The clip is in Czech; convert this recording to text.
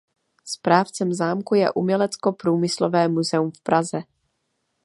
Správcem zámku je Umělecko průmyslové muzeum v Praze.